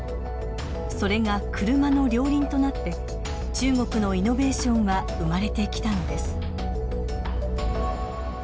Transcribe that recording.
それが車の両輪となって中国のイノベーションは生まれてきたのです。